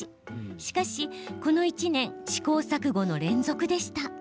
しかし、この１年試行錯誤の連続でした。